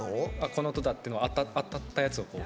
この音だって当たったやつを。